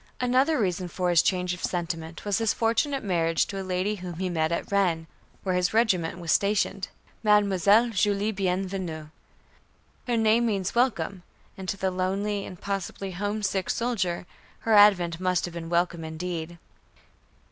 Another reason for his change of sentiment was his fortunate marriage to a lady whom he met at Rennes, where his regiment was stationed Mademoiselle Julie Bienvenue. Her name means "Welcome," and to the lonely and possibly homesick soldier, her advent must have been welcome indeed.